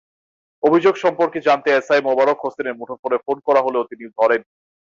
অভিযোগ সম্পর্কে জানতে এসআই মোবারক হোসেনের মুঠোফোনে ফোন করা হলেও তিনি ধরেননি।